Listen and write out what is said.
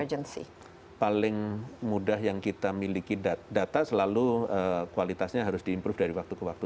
jadi paling mudah yang kita miliki data selalu kualitasnya harus di improve dari waktu ke waktu